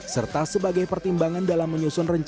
serta sebagai pertimbangan dalam menyusun renyah dan perusahaan